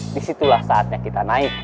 disitulah saatnya kita naik